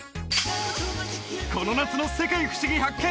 この夏の「世界ふしぎ発見！」